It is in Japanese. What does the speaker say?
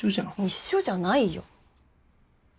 一緒じゃないよ。